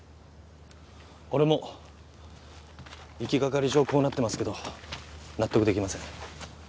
俺も行きがかり上こうなってますけど納得できません。